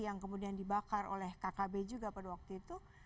yang kemudian dibakar oleh kkb juga pada waktu itu